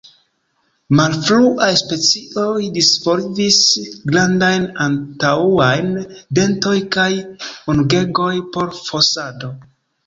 Malfruaj specioj disvolvis grandajn antaŭajn dentoj kaj ungegoj por fosado.